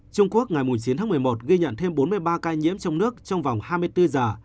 trung quốc ngày chín tháng một mươi một ghi nhận thêm bốn mươi ba ca nhiễm trong nước trong vòng hai mươi bốn giờ